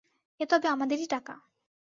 এ তবে আমাদেরই টাকা।